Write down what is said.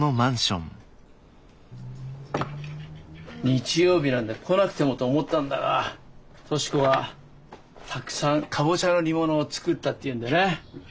日曜日なんだから来なくてもと思ったんだが十志子がたくさんカボチャの煮物を作ったっていうんでね。